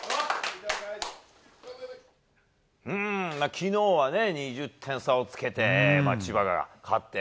昨日は２０点差をつけて千葉が勝って。